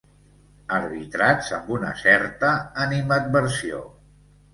Arbitrats amb una certa animadversió.